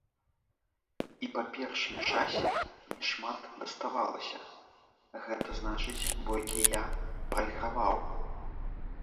І па першым часе мне шмат даставалася, гэта значыць, бойкі я прайграваў.